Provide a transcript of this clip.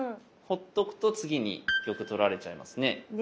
ほっとくと次に玉取られちゃいますね。